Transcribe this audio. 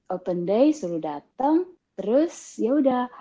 open day suruh datang terus yaudah